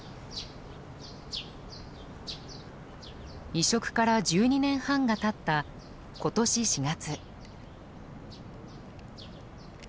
移植から１２年半が経った今年４月。